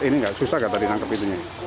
ini nggak susah nggak tadi nangkep itu